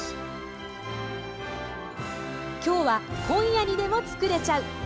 今日は、今夜にでも作れちゃう！